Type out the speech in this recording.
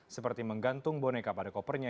seperti menggantung boneka pada kopernya